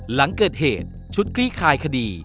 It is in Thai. หลังเกิดเหตุชุดคลี่คลายคดี